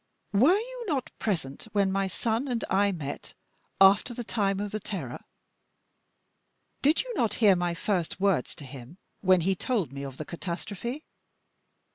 Were you not present when my son and I met, after the time of the Terror? Did you not hear my first words to him, when he told me of the catastrophe?